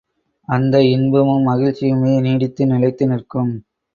அந்த இன்பமும் மகிழ்ச்சியுமே நீடித்து நிலைத்து நிற்கும்.